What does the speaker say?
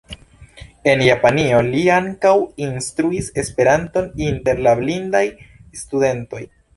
En Japanio li ankaŭ instruis Esperanton inter la blindaj studentoj.